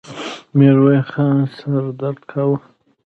د ميرويس خان سر درد کاوه.